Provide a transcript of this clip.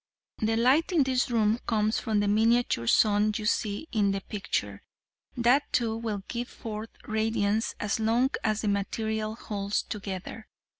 The light in this room comes from the miniature sun you see in the picture; that too will give forth radiance as long as the material holds together.